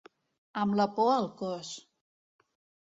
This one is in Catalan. Amb la por al cos.